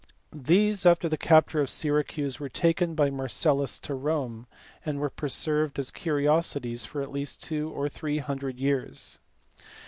These after the capture of Syracuse were taken by Marcellus to Rome, and were preserved as curiosities for at least two or three hundred years.